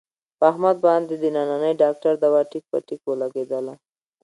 په احمد باندې د ننني ډاکټر دوا ټیک په ټیک ولږېدله.